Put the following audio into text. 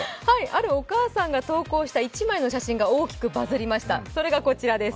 あるお母さんが投稿した１枚の写真が大きくバズりました。